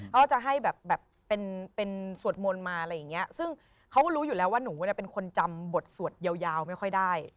เขาจะให้แบบเป็นสวดมนต์มาอะไรอย่างเงี้ยซึ่งเขาก็รู้อยู่แล้วว่าหนูเป็นคนจำบทสวดยาวไม่ค่อยได้